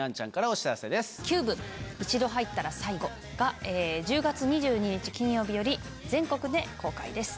『ＣＵＢＥ一度入ったら、最後』が１０月２２日金曜日より全国で公開です